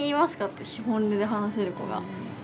って本音で話せる子が。